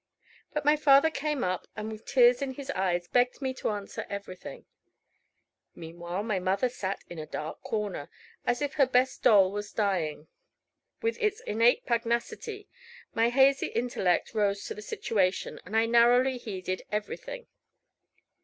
But my father came up, and with tears in his eyes begged me to answer everything. Meanwhile my mother sat in a dark corner, as if her best doll was dying. With its innate pugnacity, my hazy intellect rose to the situation, and I narrowly heeded every thing.